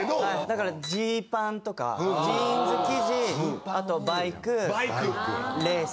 だからジーパンとかジーンズ生地あとバイクレースとか。